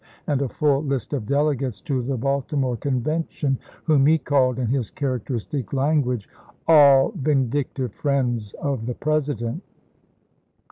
and a full list of delegates to the Baltimore Conven tion, whom he called, in his characteristic language, "all vindictive friends of the President."